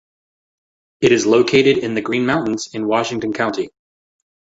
It is located in the Green Mountains in Washington County.